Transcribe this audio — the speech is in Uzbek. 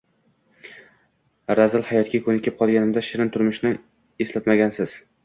Razil hayotga ko’nikib qolganimda shirin turmushni eslatmasangiz edi.